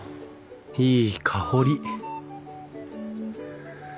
いい香り！